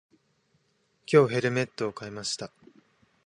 今日、ヘルメットを買いました。